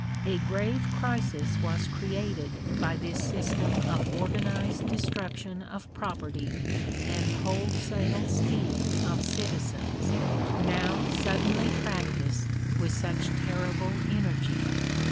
A grave crisis was created by this system of organized destruction of property and wholesale stealing of citizens, now suddenly practised with such terrible energy.